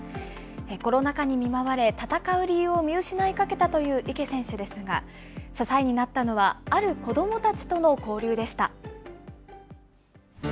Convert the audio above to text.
コロナ禍に見舞われ、戦う理由を見失いかけたという池選手ですが、支えになったのは、ある子どもたちとの交流でした。